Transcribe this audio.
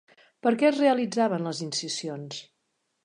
Per què es realitzaven les incisions?